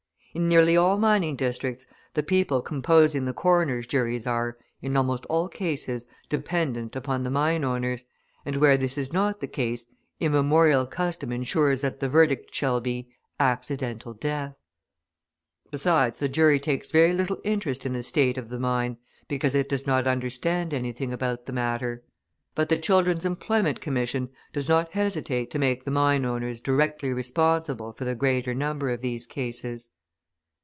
In nearly all mining districts the people composing the coroner's juries are, in almost all cases, dependent upon the mine owners, and where this is not the case, immemorial custom insures that the verdict shall be: "Accidental Death." Besides, the jury takes very little interest in the state of the mine, because it does not understand anything about the matter. But the Children's Employment Commission does not hesitate to make the mine owners directly responsible for the greater number of these cases.